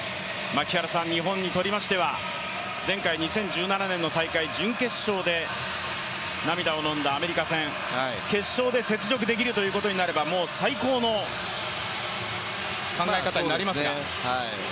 日本にとりましては、前回２０１７年の大会、準決勝で涙をのんだアメリカ戦、決勝で雪辱できるということになればもう最高の考え方になりますが？